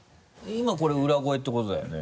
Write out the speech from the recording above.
今これ裏声ってことだよね？